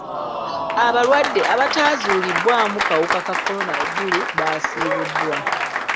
Abalwadde abataazuulibwamu kawuka ka kolona e Gulu basiibuddwa.